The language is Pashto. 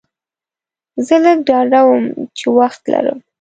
زه لږ ډاډه وم چې وخت لرم.